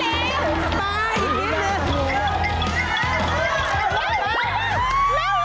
ได้แล้ว